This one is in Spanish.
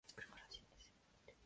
Karen huye a la planta baja.